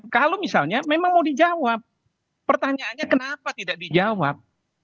kalau misalnya memang mau dijawab pertanyaannya kenapa tidak dijawab